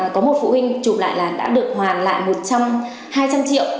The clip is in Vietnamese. có một phụ huynh chụp lại là đã được hoàn lại một trăm hai trăm triệu